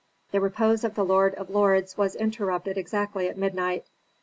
The repose of the lord of lords was interrupted exactly at midnight.